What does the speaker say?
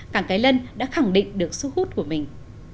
cảng cái lân đã khẳng định được sức hút của mình